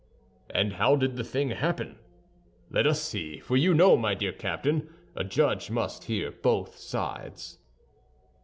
"And how did the thing happen? Let us see, for you know, my dear Captain, a judge must hear both sides."